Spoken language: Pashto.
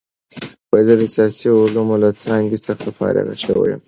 زه د سیاسي علومو له څانګې څخه فارغ شوی یم.